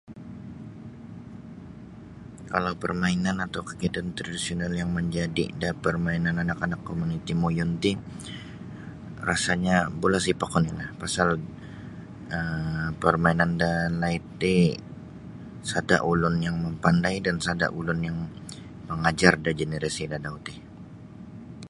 Kalau permainan atau kegiatan tradisional yang menjadi da permainan anak-anak da komuniti muyun ti rasanya bola sepak oni lah pasal um parmainan dalaid ti sada ulun yang mapandai dan sada ulun yang mangajar da generasi dadau ti.